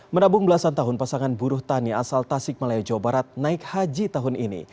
menabung belasan tahun pasangan buruh tani asal tasik malaya jawa barat naik haji tahun ini